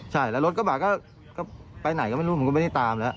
ใช่แล้วรถกระบะก็ไปไหนก็ไม่รู้ผมก็ไม่ได้ตามแล้ว